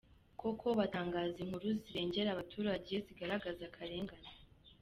Koko batangaza inkuru zirengera abaturage zigaragaza akarengane.